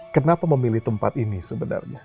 kenapa memilih tempat ini sebenarnya